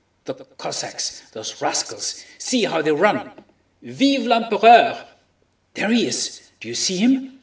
The Cossacks—those rascals—see how they run! Vive l'Empereur! There he is, do you see him?